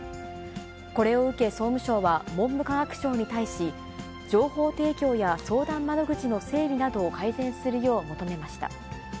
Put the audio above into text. これを受け、総務省は文部科学省に対し、情報提供や相談窓口の整備などを改善するよう求めました。